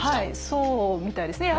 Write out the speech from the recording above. そうみたいですね。